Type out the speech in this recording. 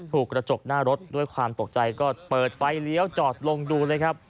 กระจกหน้ารถด้วยความตกใจก็เปิดไฟเลี้ยวจอดลงดูเลยครับ